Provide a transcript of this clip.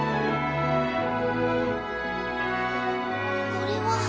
これは。